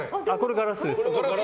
ガラスです。